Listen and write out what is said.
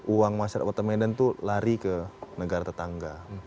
uang masyarakat kota medan itu lari ke negara tetangga